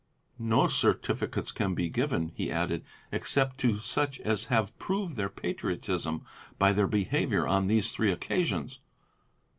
'No certificates can be given,' he added, 'except to such as have proved their patriotism by their behaviour on these three occasions.'